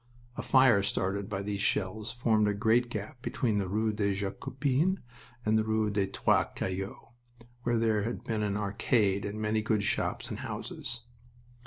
A fire started by these shells formed a great gap between the rue des Jacobins and the rue des Trois Cailloux, where there had been an arcade and many good shops and houses.